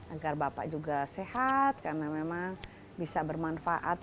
agar bapak juga sehat karena memang bisa bermanfaat